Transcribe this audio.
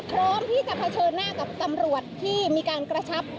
พร้อมที่จะเผชิญหน้ากับตำรวจที่มีการกระชับ